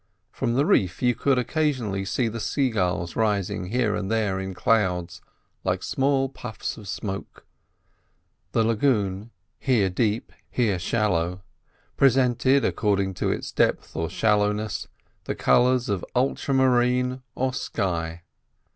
From the reef you could see occasionally the sea gulls rising here and there in clouds like small puffs of smoke. The lagoon, here deep, here shallow, presented, according to its depth or shallowness, the colours of ultra marine or sky.